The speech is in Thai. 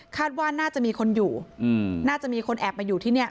ว่าน่าจะมีคนอยู่น่าจะมีคนแอบมาอยู่ที่นี่